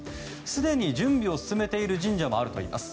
すでに準備を進めている神社もあるといいます。